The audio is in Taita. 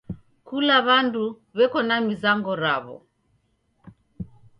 Kula w'andu w'eko na mizango raw'o.